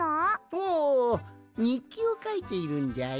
おおにっきをかいているんじゃよ。